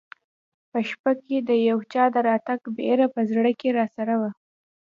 په شپه کې د یو چا د راتګ بېره په زړه کې راسره وه.